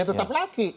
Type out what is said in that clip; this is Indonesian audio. ya tetap laki